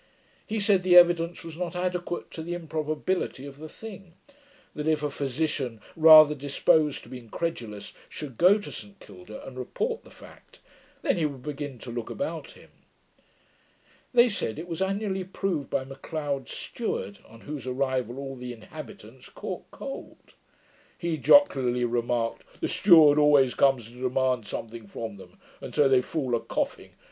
He said, the evidence was not adequate to the improbability of the thing; that if a physician, rather disposed to be incredulous, should go to St Kilda, and report the fact, then he would begin to look about him. They said, it was annually proved by M'Leod's steward, on whose arrival all the inhabitants caught cold. He jocularly remarked, 'the steward always comes to demand something from them; and so they fall a coughing.